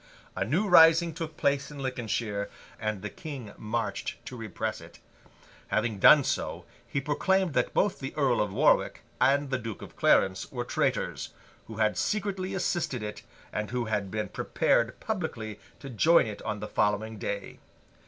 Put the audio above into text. A new rising took place in Lincolnshire, and the King marched to repress it. Having done so, he proclaimed that both the Earl of Warwick and the Duke of Clarence were traitors, who had secretly assisted it, and who had been prepared publicly to join it on the following day.